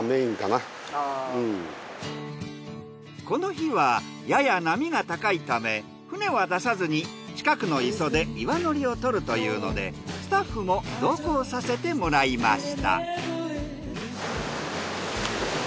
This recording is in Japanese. この日はやや波が高いため船は出さずに近くの磯で岩のりをとるというのでスタッフも同行させてもらいました。